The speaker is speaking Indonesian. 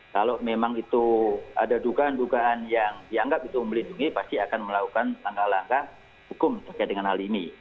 kalau memang itu ada dugaan dugaan yang dianggap itu melindungi pasti akan melakukan langkah langkah hukum terkait dengan hal ini